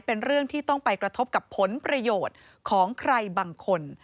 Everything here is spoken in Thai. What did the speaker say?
เป็นเรื่องที่ต้องไปกระทบกับผลประโยชน์ของใครบางคน